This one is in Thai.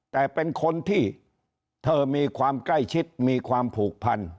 แต่เป็นคนที่เธอมีความใกล้ชิดมีความผูกพัน